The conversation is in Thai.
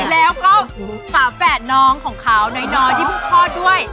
แล้วก็ฝาแฝดน้องของเขาน้อยที่เพิ่งคลอดด้วย